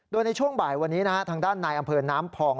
โดยในช่วงบ่ายวันนี้นะฮะทางด้านนายอำเภอน้ำพอง